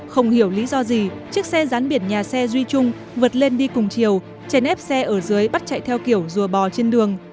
không hiểu lý do gì chiếc xe rán biển nhà xe duy trung vượt lên đi cùng chiều chèn ép xe ở dưới bắt chạy theo kiểu rùa bò trên đường